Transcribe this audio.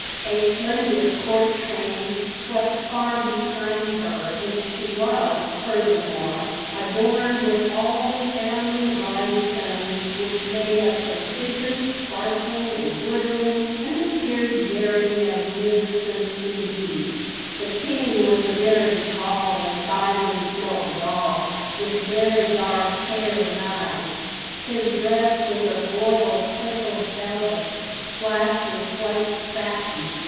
A splendid court train swept far behind her, and she was, furthermore, adorned with all the family rhinestones, which made a prodigious sparkling and glittering and appeared very magnificent indeed. The King was a very tall and finely built doll, with very dark hair and eyes. His dress was of royal purple velvet, slashed with white satin.